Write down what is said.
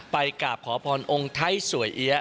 ไปกลับขอพรองไทยสวยเหี้ย